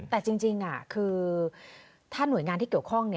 แต่จริงคือถ้าหน่วยงานที่เกี่ยวข้อง